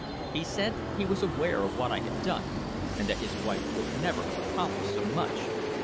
He said he was aware of what I had done, and that his wife could never have accomplished so much.